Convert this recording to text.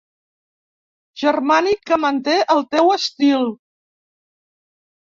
Germànic que manté el teu estil.